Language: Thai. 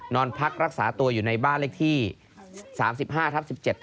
นอนพักรักษาตัวอยู่ในบ้านเลขที่๓๕ทับ๑๗